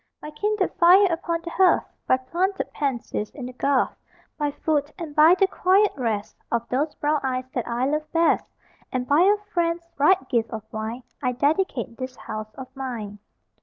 By kindled fire upon the hearth, By planted pansies in the garth, By food, and by the quiet rest Of those brown eyes that I love best, And by a friend's bright gift of wine, I dedicate this house of mine.